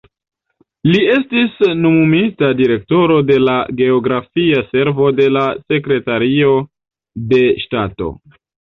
Li estis nomumita direktoro de la geografia servo de la Sekretario de Ŝtato.